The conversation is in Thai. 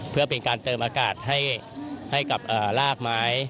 เพื่อเป็นการเติมอากาศให้กับรากไม้